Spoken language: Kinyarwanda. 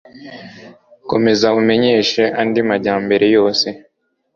Komeza umenyeshe andi majyambere yose.